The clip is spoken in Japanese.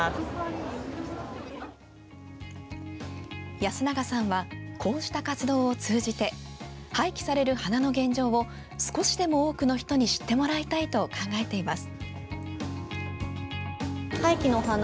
安永さんはこうした活動を通じて廃棄される花の現状を少しでも多くの人に知ってもらいたいと考えています。